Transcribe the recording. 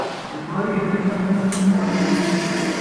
بیماری ہمیشاں مونہہ کنوں آندی ہے